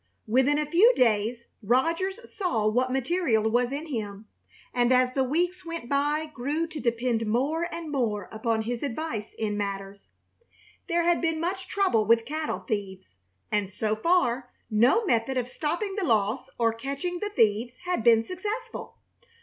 Within a few days Rogers saw what material was in him, and as the weeks went by grew to depend more and more upon his advice in matters. There had been much trouble with cattle thieves, and so far no method of stopping the loss or catching the thieves had been successful.